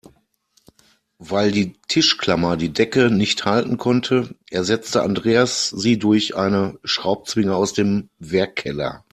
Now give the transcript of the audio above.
Weil die Tischklammer die Decke nicht halten konnte, ersetzte Andreas sie durch eine Schraubzwinge aus dem Werkkeller.